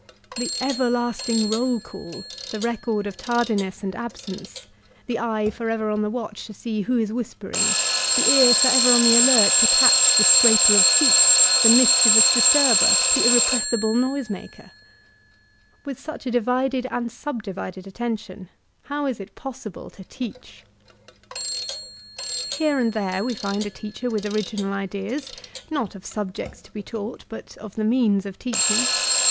The everlasting roU call, the record of tardi ness and absence, the eye forever on the watch to see who is whispering, the ear forever on the alert to catch the scraper of f eet, the mischievous disturtier, the irrepressi ble noisemaker; with such a divided and subdivided at tention, how is it possible to teach? Here and there we find a teacher with original ideas, not of subjects to be tau^t, but of the means of teach ing.